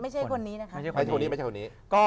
ไม่ใช่คนนี้นะครับ